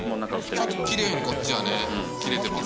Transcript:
ちゃんとキレイにこっちはね切れてます